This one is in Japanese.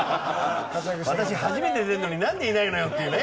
「私初めて出るのになんでいないのよ」っていうね。